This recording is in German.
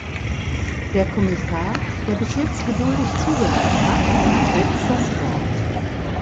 Der Kommissar, der bis jetzt geduldig zugehört hat, hat jetzt das Wort.